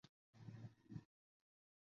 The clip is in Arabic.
طرقتني صبا فحركت البا